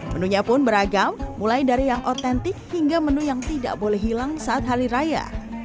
menunya pun beragam mulai dari yang otentik hingga menu yang tidak boleh hilang saat hari raya